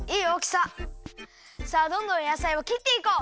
さあどんどんやさいをきっていこう！